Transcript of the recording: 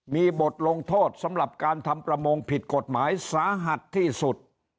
มีบทลงโทษสำหรับการทำประมงผิดกฎหมายสาหัสที่สุด